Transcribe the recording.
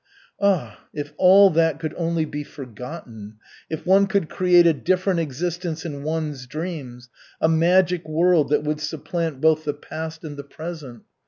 Ah, if all that could only be forgotten, if one could create a different existence in one's dreams, a magic world that would supplant both the past and the present!